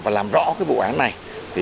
và làm đối tượng trộm cắp